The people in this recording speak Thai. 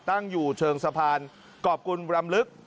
ตั้งอยู่เชิงสะพานกรอบกุลรำลึก